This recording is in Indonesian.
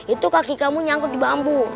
itu kaki kamu nyangkut di bambu